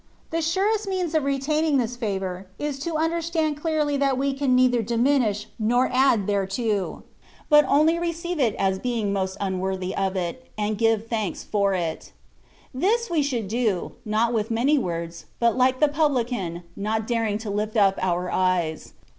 The surest means of retaining this favour is to understand clearly that we can neither diminish nor add thereto, but only receive it as being most un worthy of it, and give thanks for it. This we should do, not with many words^ but like the pub lican, not daring to lift up our eyes.